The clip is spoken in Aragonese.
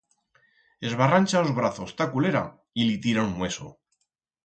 Esbarrancha os brazos t'a culera y li tira un mueso.